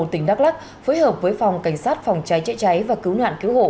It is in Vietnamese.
tỉnh đắk lắc phối hợp với phòng cảnh sát phòng cháy chữa cháy và cứu nạn cứu hộ